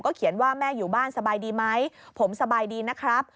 เขียนว่าแม่อยู่บ้านสบายดีไหมผมสบายดีนะครับ